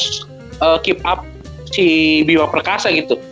mereka yang harus keep up si bima perkasa gitu